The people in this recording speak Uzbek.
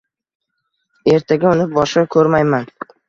Ertaga uni boshqa ko`rmayman